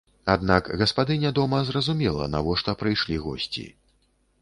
Аднак гаспадыня дома зразумела, навошта прыйшлі госці.